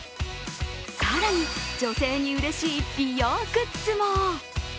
更に女性にうれしい美容グッズも。